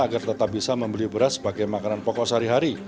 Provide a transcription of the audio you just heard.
agar tetap bisa membeli beras sebagai makanan pokok sehari hari